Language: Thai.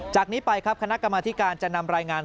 จากนี้ไปครับคณะกรรมธิการจะนำรายงาน